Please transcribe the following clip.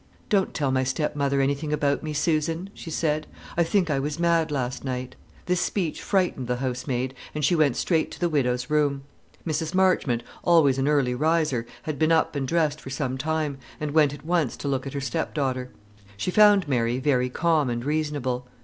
"Don't tell my stepmother anything about me, Susan," she said; "I think I was mad last night." This speech frightened the housemaid, and she went straight to the widow's room. Mrs. Marchmont, always an early riser, had been up and dressed for some time, and went at once to look at her stepdaughter. She found Mary very calm and reasonable.